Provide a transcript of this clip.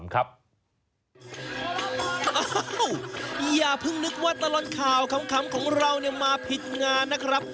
อย่าเพิ่งนึกว่าตลอดข่าวขำของเรามาผิดงานนะครับ